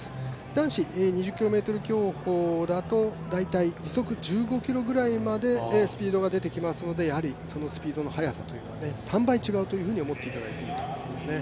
男子２０ｋｍ競歩だと時速１５キロぐらいまでスピードが出てきますので、やはりそのスピードの速さは３倍違うと思っていただいていいですね。